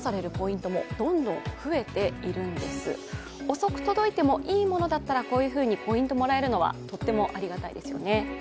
遅く届いてもいいものだったらポイントをもらえるのはとってもありがたいですよね。